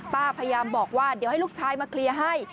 พยายามบอกว่าเดี๋ยวให้ลูกชายมาเคลียร์ให้